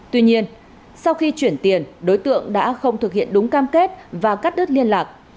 tuy nhiên sau khi chuyển tiền đối tượng đã không thực hiện đúng cam kết và cắt đứt liên lạc